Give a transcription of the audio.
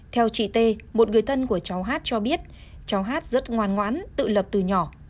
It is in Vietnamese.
theo chị t một người thân của cháu hát cho biết cháu hát rất ngoan ngoãn tự lập từ nhỏ